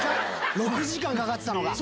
６時間かかってたのが。